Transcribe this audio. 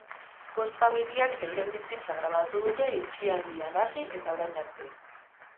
Bost familiak euren bizitza grabatu dute itxialdian hasi, eta orain arte.